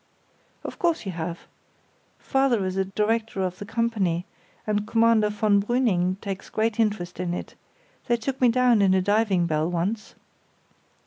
"Of course you have. Father is a director of the company, and Commander von Brüning takes great interest in it; they took me down in a diving bell once."